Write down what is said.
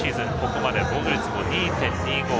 ここまで防御率も２．２５。